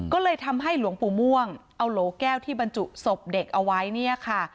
ก็เลยทำให้หลวงปู่ม่วงเอาโหลแก้วที่บรรจุศพเด็กเอาไว้เนี่ยค่ะ